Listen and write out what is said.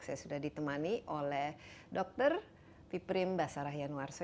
saya sudah ditemani oleh dokter piprim basarahianwarso